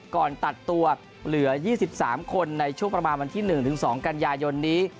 ก่อนตัดตัวเหลือ๒๓คนในช่วงประมาณวันที่๑๒กันยายนนี้